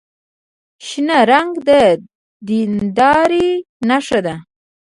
شنه رنګ د دیندارۍ نښه ده.